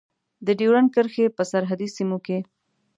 د ډیورند کرښې په سرحدي سیمو کې.